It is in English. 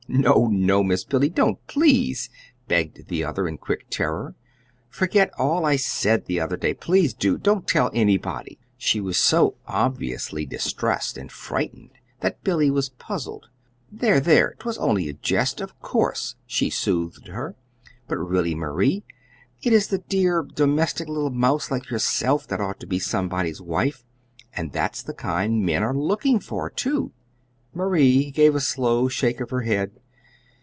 "No, no, Miss Billy, don't, please!" begged the other, in quick terror. "Forget all I said the other day; please do! Don't tell anybody!" She was so obviously distressed and frightened that Billy was puzzled. "There, there, 'twas only a jest, of course," she soothed her. "But, really Marie, it is the dear, domestic little mouse like yourself that ought to be somebody's wife and that's the kind men are looking for, too." Marie gave a slow shake of her head.